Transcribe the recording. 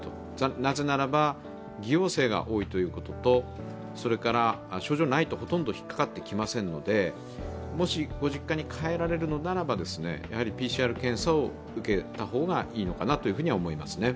なぜならば、偽陽性が多いということと、症状ないとほとんどひっかかってきませんからもしご実家に帰られるのならばＰＣＲ検査を受けた方がいいのかなとは思いますね。